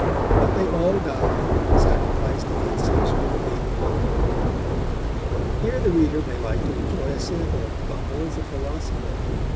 But they all die, sacrificed to the insatiable fate of Buncle. Here the reader may like to enjoy a sample of Buncle as a philosopher.